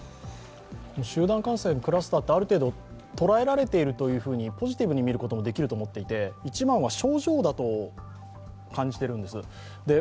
集団感染、クラスターとある程度捉えられているとポジティブに見ることもできると思っていて、一番は症状だと思っているんです。